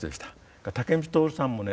それから武満徹さんもね